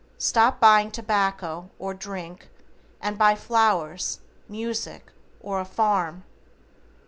Stop buying tobacco, or drink, and buy flowers, music, or a farm.